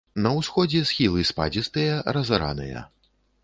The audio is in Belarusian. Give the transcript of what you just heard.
На ўсходзе схілы спадзістыя, разараныя.